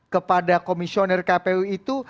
kepada komisioner kpu itu